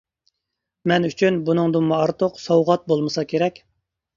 مەن ئۈچۈن بۇنىڭدىنمۇ ئارتۇق سوۋغات بولمىسا كېرەك!